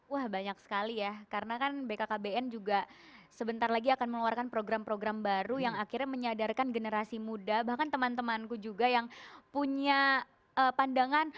wah banyak sekali ya karena kan bkkbn juga sebentar lagi akan mengeluarkan program program baru yang akhirnya menyadarkan generasi muda bahkan teman temanku juga yang punya pandangan